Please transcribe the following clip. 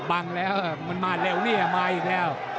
บังแล้วมันมาเร็วเนี่ยมาอีกแล้ว